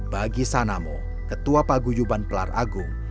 bagi sanamo ketua paguyuban pelar agung